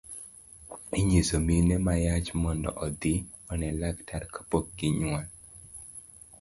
Inyiso mine ma yach mondo odhi one laktar kapok ginyuol